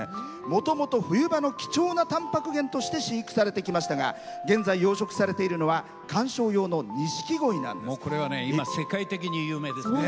もともと冬場の貴重なタンパク源として飼育されてきましたが現在、養殖されているのはこれは世界的に有名ですね。